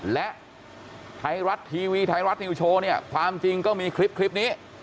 และไทรรัทย์ทีวีไทรรัสงโยชน์ความจริงก็มีคลิปนี้